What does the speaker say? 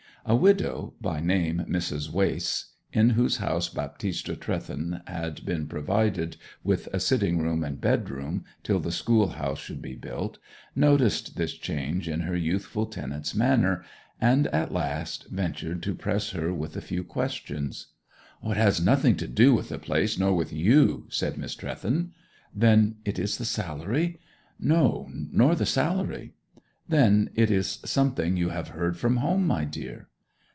A widow, by name Mrs. Wace, in whose house Baptista Trewthen had been provided with a sitting room and bedroom till the school house should be built, noticed this change in her youthful tenant's manner, and at last ventured to press her with a few questions. 'It has nothing to do with the place, nor with you,' said Miss Trewthen. 'Then it is the salary?' 'No, nor the salary.' 'Then it is something you have heard from home, my dear.'